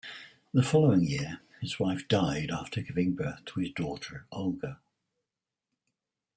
The following year, his wife died after giving birth to his daughter, Olga.